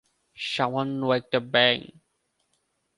সামান্য একটা ব্যাঙ।